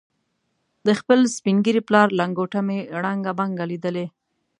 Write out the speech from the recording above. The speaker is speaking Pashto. د خپل سپین ږیري پلار لنګوټه مې ړنګه بنګه لیدلې.